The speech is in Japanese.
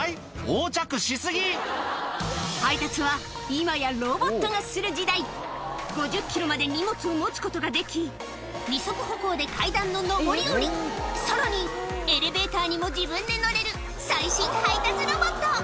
横着し過ぎ配達は今やロボットがする時代５０ｋｇまで荷物を持つことができ二足歩行で階段の上り下りさらにエレベーターにも自分で乗れる最新配達ロボット